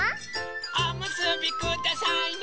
おむすびくださいな！